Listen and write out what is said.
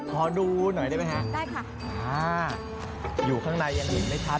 พอดูหน่อยได้ไหมครับ